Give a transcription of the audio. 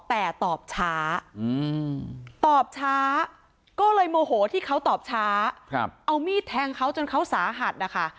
แต่ตอบช้าตอบช้าก็เลยโมโหที่เขาตอบช้าเอามีดแทงเขาจนเขาสาหัสนะคะ